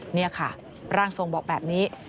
นี่ค่ะร่างทรงบอกแบบนี้